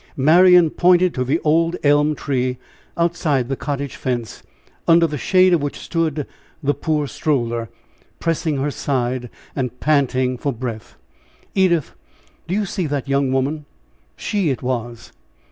Marian pointed to the old elm tree outside the cottage fence, under the shade of which stood the poor stroller, pressing her side, and panting for breath. "Edith, do you see that young woman? She it was."